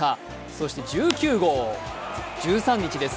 そして１９号、１３日です。